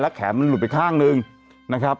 แขนมันหลุดไปข้างหนึ่งนะครับ